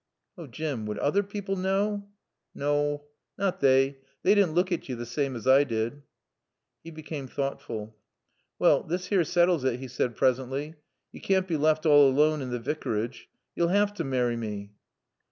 "Oh Jim would other people know?" "Naw. Nat they. They didn't look at yo the saame as I did." He became thoughtful. "Wall this here sattles it," he said presently. "Yo caann't be laft all aloan in t' Vicarage. Yo'll 'ave t' marry mae."